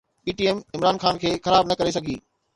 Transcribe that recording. P T M Imran Khan کي خراب نه ڪري سگهي